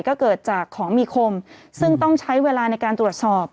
ก็เกิดจากของมีคมซึ่งต้องใช้เวลาในการตรวจสอบ